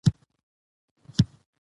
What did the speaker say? ول ابو کلاب شیدې وڅښه!